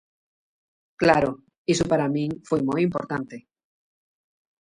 Claro, iso para min foi moi importante.